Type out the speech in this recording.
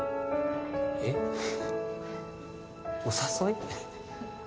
えっお誘い？